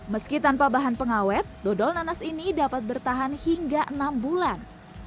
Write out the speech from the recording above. meski tanpa bahan pengawet dodol nanas ini dapat bertahan hingga enam bulan